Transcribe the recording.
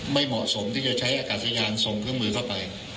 ไม่เหมาะสมที่จะใช้อากาศยานส่งเครื่องมือเข้าไป